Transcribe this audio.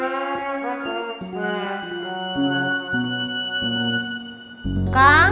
kau mah enak banget